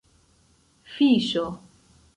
fiŝo